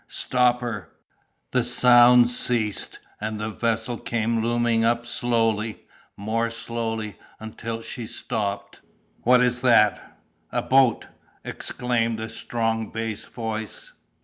"Stop her!" The sounds ceased, and the vessel came looming up slowly, more slowly, until she stopped. "What is that?—a boat?" exclaimed a strong bass voice.